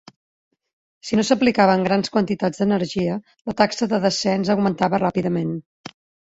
Si no s'aplicaven grans quantitats d'energia, la taxa de descens augmentava ràpidament.